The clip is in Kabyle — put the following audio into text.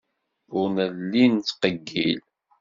Ur nelli nettqeyyil.